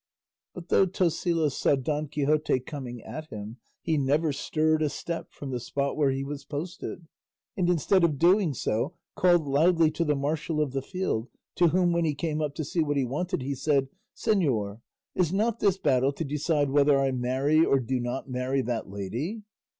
But though Tosilos saw Don Quixote coming at him he never stirred a step from the spot where he was posted; and instead of doing so called loudly to the marshal of the field, to whom when he came up to see what he wanted he said, "Señor, is not this battle to decide whether I marry or do not marry that lady?"